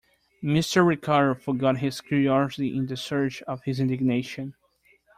Mr. Ricardo forgot his curiosity in the surge of his indignation.